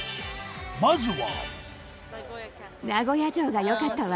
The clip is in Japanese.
まずは。